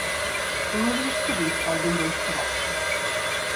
The movie is produced by Windows Production.